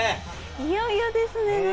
いよいよですね。